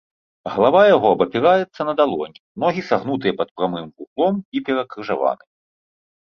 Галава яго абапіраецца на далонь, ногі сагнутыя пад прамым вуглом і перакрыжаваны.